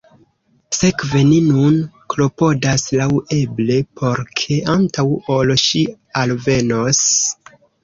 Sekve, ni nun klopodas laŭeble por ke, antaŭ ol ŝi alvenos…